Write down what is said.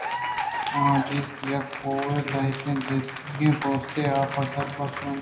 آہاں دیست یک کورے ءَ لہتیں جتگیں پوست آپ ءِ سربرءَ ترٛپلّاں